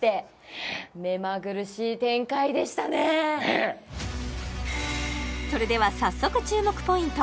ええそれでは早速注目ポイント